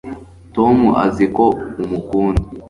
tom azi ko umukunda